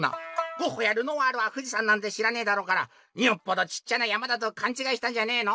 「ゴッホやルノワールは富士山なんて知らねえだろうからよっぽどちっちゃな山だとかんちがいしたんじゃねえの？」。